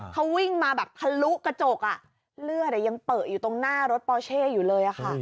เขาวิ่งมาแบบทะลุกระจกเลือดยังเปลืออยู่ตรงหน้ารถปอเช่อยู่เลยค่ะ